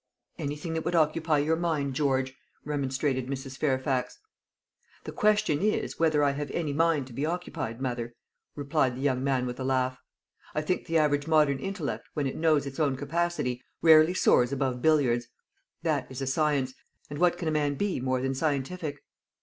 "Anything that would occupy your mind, George," remonstrated Mrs. Fairfax. "The question is, whether I have any mind to be occupied, mother," replied the young man with a laugh. "I think the average modern intellect, when it knows its own capacity, rarely soars above billiards. That is a science; and what can a man be more than scientific?"